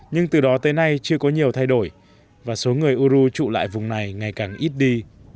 nhưng từ đó tới nay chưa có nhiều thay đổi và số người u ru trụ lại vùng này ngày càng ít đi